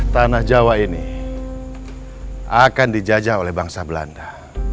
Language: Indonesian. tanah jawa ini akan dijajah oleh bangsa belanda